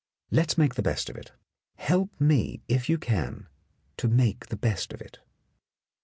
Let's make the best of it ; help me, if you can, to make the best of it."